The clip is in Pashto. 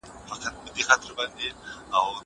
زه اوږده وخت کتابونه ليکم!!